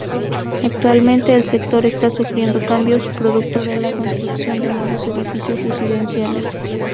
Actualmente el sector está sufriendo cambios producto de la construcción de nuevos edificios residenciales.